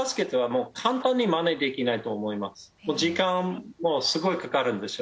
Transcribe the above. でももう時間もすごいかかるんですよ